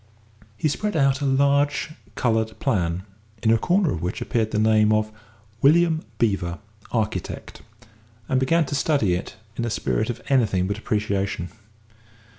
He spread out a large coloured plan, in a corner of which appeared the name of "William Beevor, Architect," and began to study it in a spirit of anything but appreciation.